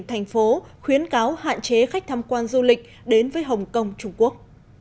thành phố khuyến cáo hạn chế khách tham quan du lịch đến với hồng kông trung quốc